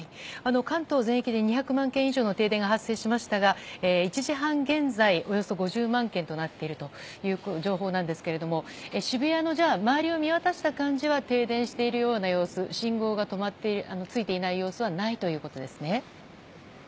関東全域で２００万軒以上の停電が発生しましたが１時半現在およそ５０万軒という情報ですが渋谷の周りを見渡した感じは停電しているような様子信号がついていない様子はないということですね。